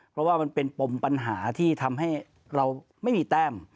เพราะว่ามันเป็นปมปัญหาที่ทำให้เราไม่มีแต้ม